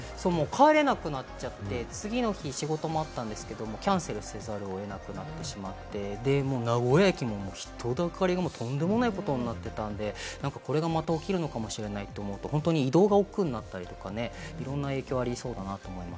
帰れなくなっちゃって、次の日、仕事もあったんですけれども、キャンセルせざるを得なくなってしまって、名古屋駅も人だかりがとんでもないことになってたんで、これがまた起きるのかもしれないと思うと、移動がおっくうになったりとかね、いろんな影響がありそうだなと思います。